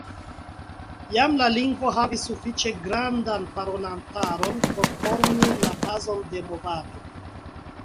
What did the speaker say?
Jam la lingvo havis sufiĉe grandan parolantaron por formi la bazon de movado.